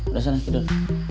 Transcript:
udah sana tidur